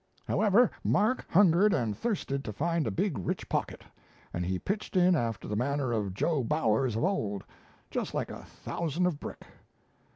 However, Mark hungered and thirsted to find a big rich pocket, and he pitched in after the manner of Joe Bowers of old just like a thousand of brick.